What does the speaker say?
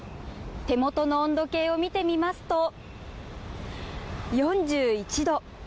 手元の温度計を見てみますと４１度。